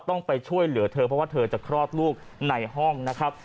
ต้องไปช่วยเหลือเธอเพราะว่าเธอจะคลอดลูกในห้องนะครับ